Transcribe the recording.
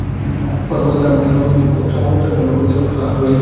প্রথমত তাঁহার ভিতর সেই সাম্যাবস্থাপন্ন প্রকৃতির অংশ রহিয়াছে।